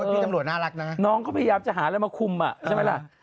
ฐานเยี่ยมเลยน้องก็พยายามจะหาอะไรมาคุมอ่ะใช่ไหมล่ะ